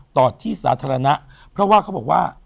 ต่อที่สาธารณะเพราะว่าเขาบอกว่า